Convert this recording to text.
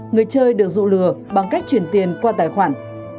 người chơi được dụ lừa bằng cách chuyển tiền qua tài khoản